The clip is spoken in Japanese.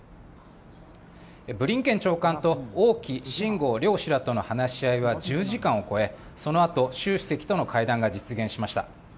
ブリンケン長官と王毅、秦剛両氏らの話し合いは１０時間を超え、そのあと習主席との会談が実現しました。